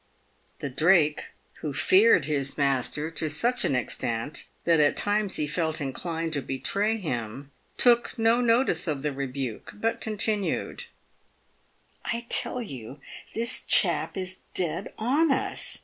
The Drake, who feared his master to such an extent that at times he felt inclined to betray him, took no notice of the rebuke, but continued :—" I tell you this chap is dead on us.